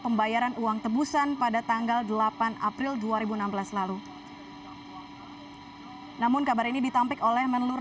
pembayaran uang tebusan pada tanggal delapan april dua ribu enam belas lalu namun kabar ini ditampik oleh menelur